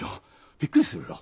びっくりするろ。